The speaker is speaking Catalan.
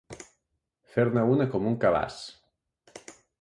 Fer-ne una com un cabàs.